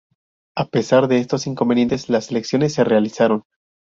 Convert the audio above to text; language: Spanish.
A pesar de estos inconvenientes las elecciones se realizaron.